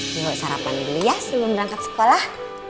tinggal sarapan dulu ya sebelum berangkat sekolah